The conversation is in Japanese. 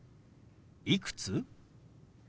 「いくつ？」。